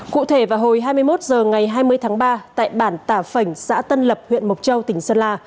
cụ thể vào hồi hai mươi một h ngày hai mươi tháng ba tại bản tả phảnh xã tân lập huyện mộc châu tỉnh sơn la